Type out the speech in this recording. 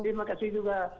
terima kasih juga